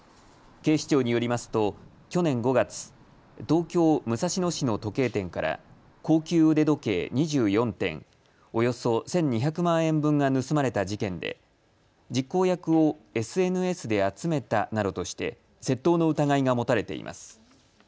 警視庁によりますと去年５月、東京武蔵野市の時計店から高級腕時計２４点、およそ１２００万円分が盗まれた事件で実行役をＳＮＳで集めたなどとして窃盗の疑いが持たれています。